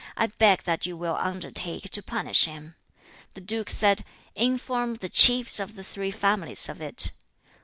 I beg that you will undertake to punish him.' 3. The duke said, 'Inform the chiefs of the three families of it.'